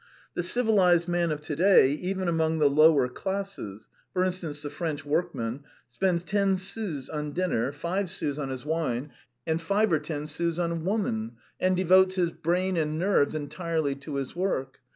The civilised man of to day, even among the lower classes for instance, the French workman spends ten sous on dinner, five sous on his wine, and five or ten sous on woman, and devotes his brain and nerves entirely to his work.